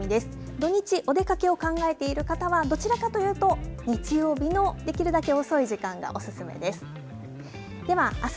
土日、お出かけを考えている方はどちらかというと日曜日のできるだけ遅い時間がおすすめです。